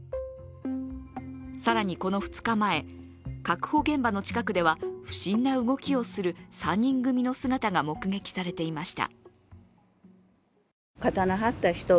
更にこの２日前、確保現場の近くでは不審な動きをする３人組の姿が目撃されていました。